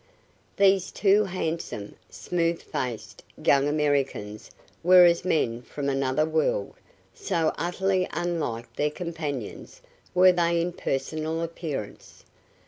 These two handsome, smooth faced young Americans were as men from another world, so utterly unlike their companions were they in personal appearance.